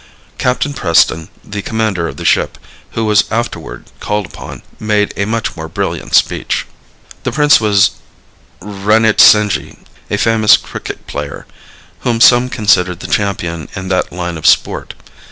Captain Preston, the commander of the ship, who was afterward called upon, made a much more brilliant speech. The prince was Ranjitsinhji, a famous cricket player, whom some consider the champion in that line of sport.